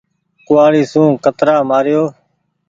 ڪوُوآڙي سون ڪترآ مآريو ۔